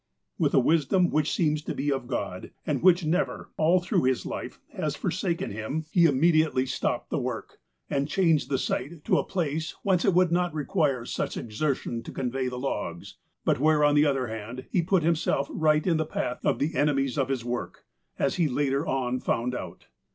With a wisdom which seems to be of God, and which never, all through his life, has forsaken him, he immedi 128 • THE APOSTLE OF ALASKA ately stopped the work, and changed the site to a place whence it would not require such exertion to convey the logs ; but where, on the other hand, he put himself right in the path of the enemies of his work, as he later on found out.